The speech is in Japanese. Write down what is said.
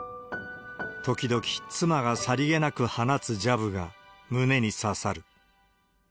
時々妻がさりげなく放つジャブが、胸に刺さる。